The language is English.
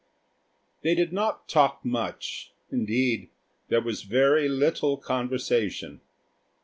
They did not talk much; indeed there was very little conversation.